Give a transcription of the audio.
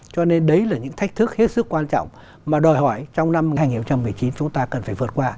cho nên đấy là những thách thức hết sức quan trọng mà đòi hỏi trong năm hai nghìn một mươi chín chúng ta cần phải vượt qua